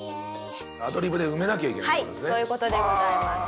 アドリブで埋めなきゃいけないって事ですね？